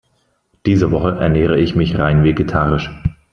Diese Woche ernähre ich mich rein vegetarisch.